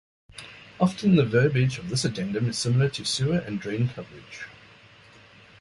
Often the verbiage of this addendum is similar to "Sewer and Drain Coverage".